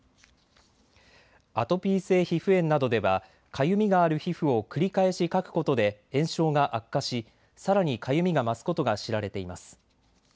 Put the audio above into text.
アトピー性皮膚炎などではかゆみがある皮膚を繰り返しかくことで炎症が悪化しさらにかゆみが増すことが知られています。